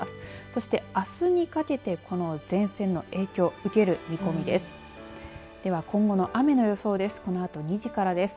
そしてあすにかけてこの前線の影響を受ける見込みです。